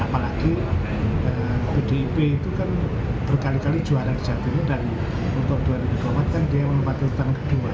apalagi pdip itu kan berkali kali juara di jawa timur dan untuk dua ribu dua puluh empat kan dia menempati utang kedua